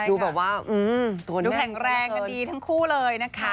ดูแบบว่าดูแข็งแรงกันดีทั้งคู่เลยนะคะ